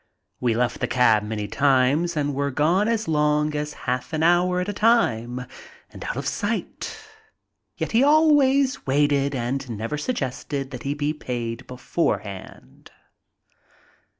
We left the cab many times and were gone as long as half an hour at a time, and out of sight, yet he always waited and never suggested that he be paid beforehand.